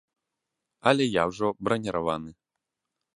Але я ўжо браніраваны.